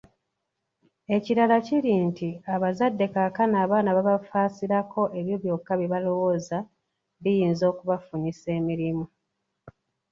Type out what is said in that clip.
Ekirala kiri nti abazadde kaakano abaana babafalaasira ebyo byokka bye balowooza biyinza okubafunyisa emirimu,